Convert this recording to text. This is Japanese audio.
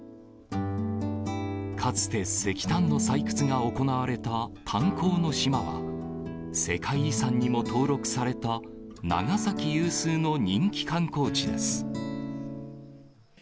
かつて石炭の採掘が行われた炭鉱の島は、世界遺産にも登録された長崎有数の人気観光地です。